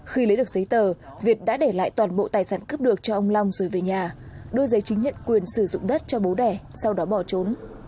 khi lấy được giấy tờ việt đã để lại toàn bộ tài sản cướp được cho ông long rồi về nhà đưa giấy chứng nhận quyền sử dụng đất cho bố đẻ sau đó bỏ trốn